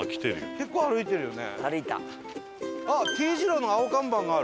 結構歩いてるよね。